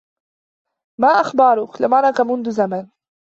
ما أخبارك؟ لم أرك منذ زمن.